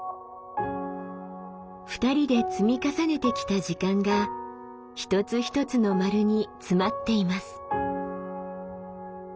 ２人で積み重ねてきた時間が一つ一つの丸に詰まっています。